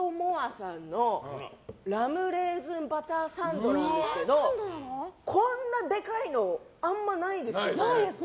さんのラムレーズンバターサンドですけどこんなでかいのあんまないですよね。